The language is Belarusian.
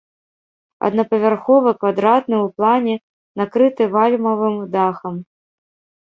Аднапавярховы, квадратны ў плане, накрыты вальмавым дахам.